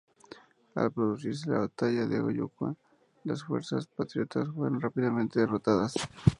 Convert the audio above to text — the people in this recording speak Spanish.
Al producirse la batalla de Ayohuma, las fuerzas patriotas fueron rápidamente derrotadas.